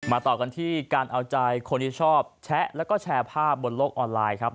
ต่อกันที่การเอาใจคนที่ชอบแชะแล้วก็แชร์ภาพบนโลกออนไลน์ครับ